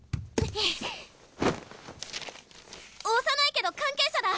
幼いけど関係者だ。